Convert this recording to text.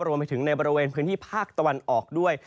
รวมไปถึงในบริเวณพื้นที่ภาคตะวันออกด้วย